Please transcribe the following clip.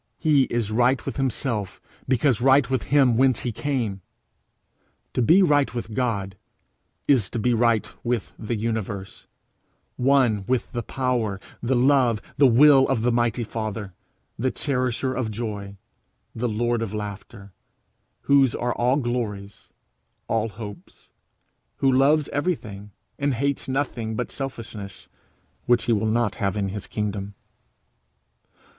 He is right with himself because right with him whence he came. To be right with God is to be right with the universe; one with the power, the love, the will of the mighty Father, the cherisher of joy, the lord of laughter, whose are all glories, all hopes, who loves everything, and hates nothing but selfishness, which he will not have in his kingdom.